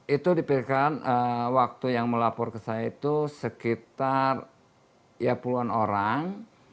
itu diperikan waktu yang melapor ke saya itu sekitar dua puluh an orang